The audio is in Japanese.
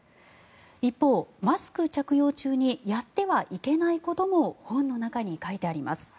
一方、マスク着用中にやってはいけないことも本の中に書いてあります。